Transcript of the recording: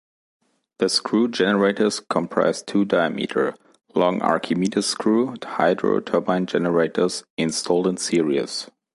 The screw generators comprise two diameter, long Archimedes' screw hydro-turbine generators installed in series.